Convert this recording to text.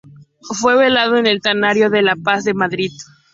Fue velado en el Tanatorio de La Paz de Madrid.